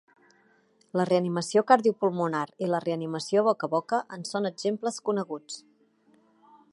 La reanimació cardiopulmonar i la reanimació boca a boca en són exemples coneguts.